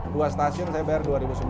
dua stasiun saya bayar dua sembilan ratus